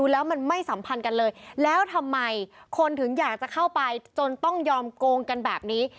แล้วทำไมคนถึงอยากจะเข้าไปจนต้องยอมโกงกันแบบนี้